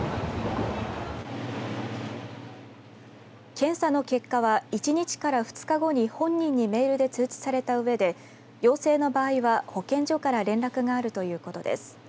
検査の結果は１日から２日後に本人にメールで通知されたうえで陽性の場合は保健所から連絡があるということです。